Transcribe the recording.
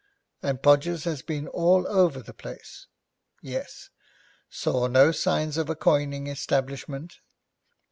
'And Podgers has been all over the place?' 'Yes.' 'Saw no signs of a coining establishment?'